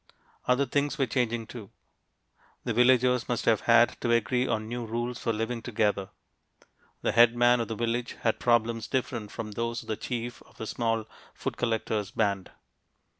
Other things were changing, too. The villagers must have had to agree on new rules for living together. The head man of the village had problems different from those of the chief of the small food collectors' band.